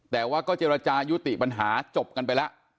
แต่ว่าก็เจรจายุติปัญหาจบกันไปแล้ว